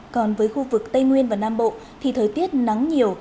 còn với khu vực tây nguyên và nam bộ thì thời tiết nắng nhiều